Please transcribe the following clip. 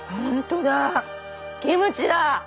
本当だキムチだ。